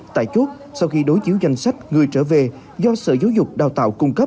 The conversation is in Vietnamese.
tại chốt sau khi đối chiếu danh sách người trở về do sở giáo dục đào tạo